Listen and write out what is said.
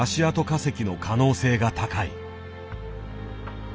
化石の可能性が高い。